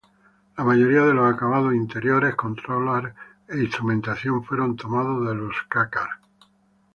La mayoría de los acabados interiores, controles e instrumentación, fueron tomados de los K-car.